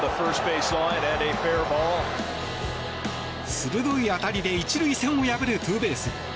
鋭い当たりで１塁線を破るツーベース。